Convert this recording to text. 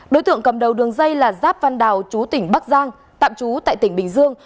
đối tượng cầm đầu đường dây là giáp văn đào chú tỉnh bắc giang tạm trú tại tỉnh bình dương